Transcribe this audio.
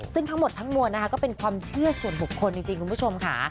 ซึ่งทั้งหมดทั้งมวลนะคะก็เป็นความเชื่อส่วนบุคคลจริงคุณผู้ชมค่ะ